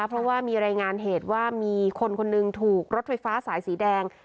เพราะว่ามีรายงานเหตุว่ามีคนคนหนึ่งถูกรถไฟฟ้าสายสีแดง